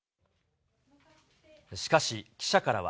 しかし、記者からは。